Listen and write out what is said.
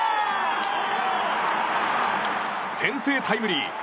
先制タイムリー。